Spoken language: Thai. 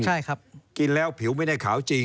ใช่ครับกินแล้วผิวไม่ได้ขาวจริง